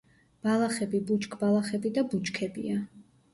ბალახები, ბუჩქბალახები და ბუჩქებია.